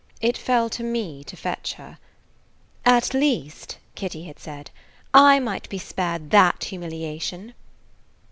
It fell to me to fetch her. "At least," Kitty had said, "I might be spared that humiliation."